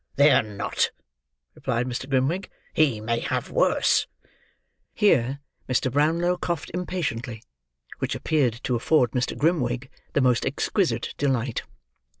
"They are not," replied Mr. Grimwig. "He may have worse." Here, Mr. Brownlow coughed impatiently; which appeared to afford Mr. Grimwig the most exquisite delight.